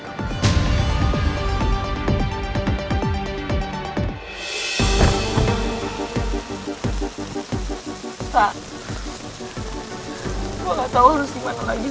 gue gak tau harus gimana lagi